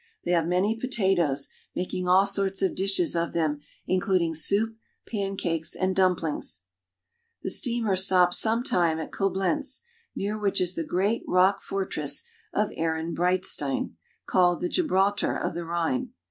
They have many potatoes, making all sorts of dishes of them, including soup, pancakes, and dumplings. The steamer stops some time at Coblenz, near which is the great rock fortress of Ehrenbreitstein (a ren brlt'stin), called the Gibraltar of the Rhine.